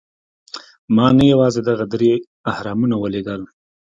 ما نه یوازې دغه درې اهرامونه ولیدل.